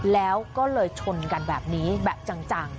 แล้วก็เลยชนกันแบบนี้แบบจัง